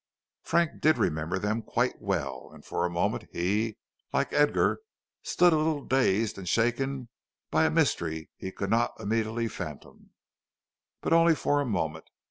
Frank did remember them quite well, and for a moment he, like Edgar, stood a little dazed and shaken by a mystery he could not immediately fathom. But only for a moment.